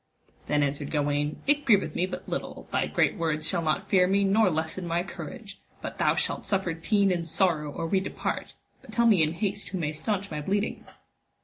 Then answered Gawaine, it grieveth me but little, thy great words shall not fear me nor lessen my courage, but thou shalt suffer teen and sorrow or we depart, but tell me in haste who may staunch my bleeding.